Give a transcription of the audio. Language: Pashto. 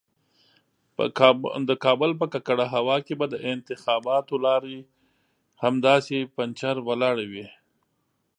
د کابل په ککړه هوا کې به د انتخاباتو لارۍ همداسې پنجر ولاړه وي.